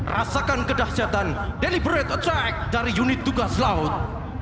rasakan kedahjatan deliberate attack dari unit tugas laut